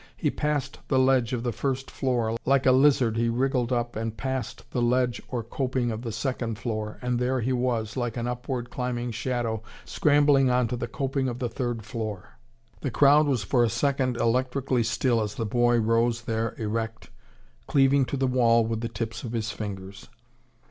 He passed the ledge of the first floor, like a lizard he wriggled up and passed the ledge or coping of the second floor, and there he was, like an upward climbing shadow, scrambling on to the coping of the third floor. The crowd was for a second electrically still as the boy rose there erect, cleaving to the wall with the tips of his fingers.